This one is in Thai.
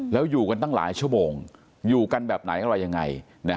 แล้วอยู่กันตั้งหลายชั่วโมงอยู่กันแบบไหนอะไรยังไง